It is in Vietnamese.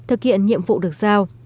miệt mài thực hiện nhiệm vụ được giao